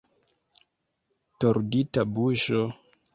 Tordita buŝo.